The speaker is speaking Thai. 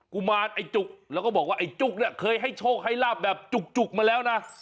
กุมารไอ้จุกแล้วก็บอกว่าไอ้จุกเนี่ยเคยให้โชคให้ลาบแบบจุกมาแล้วนะ